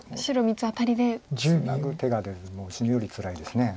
ツナぐ手がもう死ぬよりつらいです。